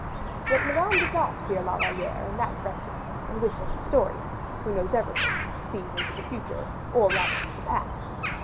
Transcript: Yet Madame did not fear La Valliere in that direction in which an historian, who knows everything, sees into the future, or rather, the past.